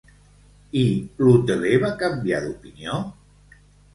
I l'hoteler va canviar d'opinió?